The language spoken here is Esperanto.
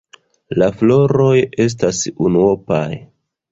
La floroj estas unuopaj.